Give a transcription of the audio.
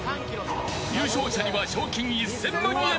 優勝者には賞金１０００万円。